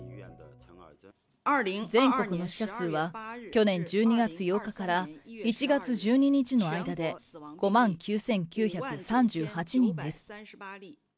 全国の死者数は、去年１２月８日から１月１２日の間で、５万９９３８人です。